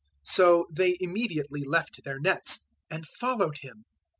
004:020 So they immediately left their nets and followed Him.